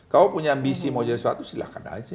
kamu punya ambisi mau jadi sesuatu silahkan aja